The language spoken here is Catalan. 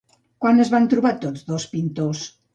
Quan es van trobar tots dos pintors?